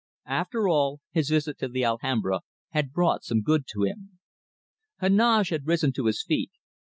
After all, his visit to the Alhambra had brought some good to him. Heneage had risen to his feet.